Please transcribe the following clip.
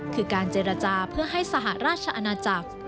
คือการเจรจาเพื่อให้สหราชอาณาจักร